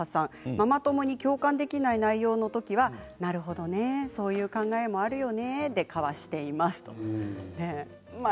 ママ友に共感できない内容の時はなるほどね、そういう考えもあるよねとかわしています。